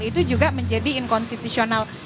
itu juga menjadi inkonstitusional